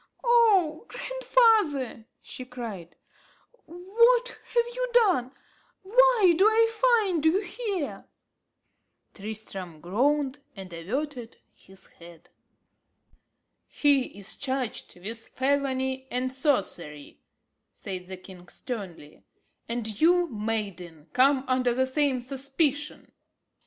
"Oh grandfather!" she cried, "what have you done? why do I find you here?" Tristram groaned, and averted his head. "He is charged with felony and sorcery," said the king sternly, "and you, maiden, come under the same suspicion."